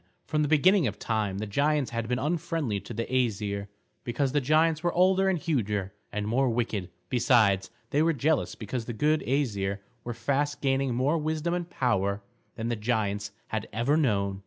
From the beginning of time, the giants had been unfriendly to the Æsir, because the giants were older and huger and more wicked; besides, they were jealous because the good Æsir were fast gaining more wisdom and power than the giants had ever known.